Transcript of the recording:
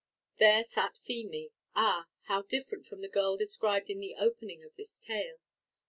There sat Feemy. Ah! how different from the girl described in the opening of this tale.